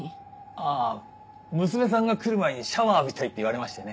あぁ娘さんが来る前にシャワー浴びたいって言われましてね。